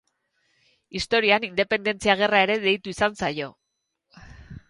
Historian independentzia gerra ere deitu izan zaio.